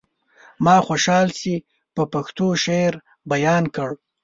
ما خوشحال چې په پښتو شعر بيان کړ.